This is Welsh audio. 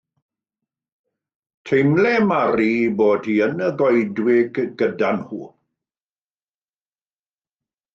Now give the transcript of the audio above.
Teimlai Mary ei bod hi yn y goedwig gyda nhw.